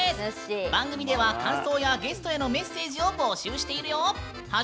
番組では感想やゲストへのメッセージを募集しているよ。